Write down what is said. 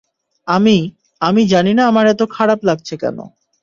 আমি - আমি জানি না আমার এত খারাপ লাগছে কেন।